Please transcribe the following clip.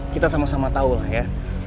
kita sama sama tahu lah ya